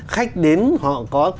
khách đến họ có